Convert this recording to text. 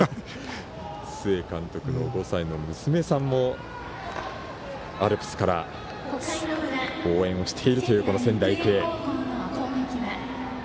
須江監督の５歳の娘さんもブルペンから応援しているという仙台育英。